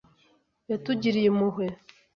Yatugiriye impuhwe .